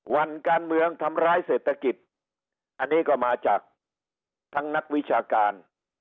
วันการเมืองทำร้ายเศรษฐกิจอันนี้ก็มาจากทั้งนักวิชาการ